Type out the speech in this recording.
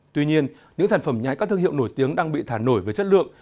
tuy nhiên những sản phẩm nhái các thương hiệu nổi tiếng đang bị thả nổi với chất lượng